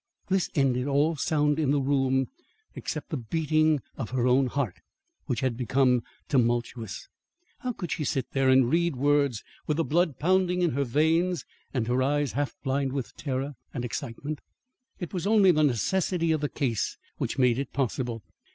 This ended all sound in the room excepting the beating of her own heart, which had become tumultuous. How could she sit there and read words, with the blood pounding in her veins and her eyes half blind with terror and excitement? It was only the necessity of the case which made it possible.